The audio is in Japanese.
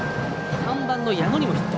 ３番の矢野にもヒット。